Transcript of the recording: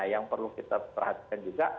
yang perlu kita perhatikan juga